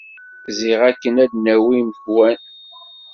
Ziɣ akken ad d-nawi imekwan.